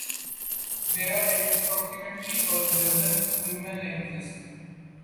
There are approximately a dozen Yuman languages.